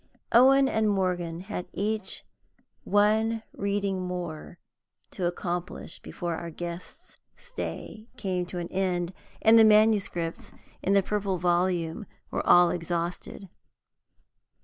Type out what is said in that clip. Owen and Morgan had each one reading more to accomplish before our guest's stay came to an end, and the manuscripts in the Purple Volume were all exhausted.